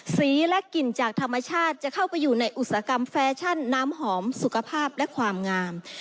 และกลิ่นจากธรรมชาติจะเข้าไปอยู่ในอุตสาหกรรมแฟชั่นน้ำหอมสุขภาพและความงาม